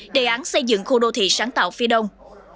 đề án xây dựng khu đô thị sáng tạo phía đông